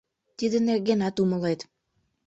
Тиде нергенат умылет.